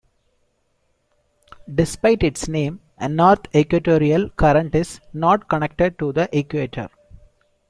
Despite its name, the North Equatorial Current is not connected to the equator.